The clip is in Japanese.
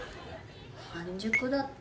半熟だって。